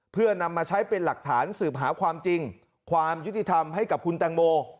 เพื่อนำมาใช้เป็นหลักฐานสืบหาความจริงความยุติธรรมให้กับคุณแตงโม